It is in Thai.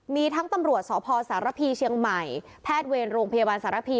มีทั้งตำรวจสพสารพีเชียงใหม่แพทย์เวรโรงพยาบาลสารพี